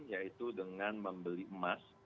yaitu dengan membeli emas